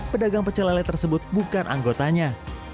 pedagang pecelele tersebut bukan anggotanya